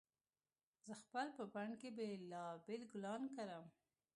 زه خپل په بڼ کې بېلابېل ګلان کرم